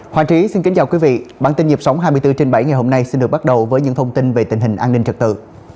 hoàng trí xin kính chào quý vị bản tin nhịp sống hai mươi bốn trên bảy ngày hôm nay xin được bắt đầu với những thông tin về tình hình an ninh trật tự